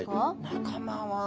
仲間は。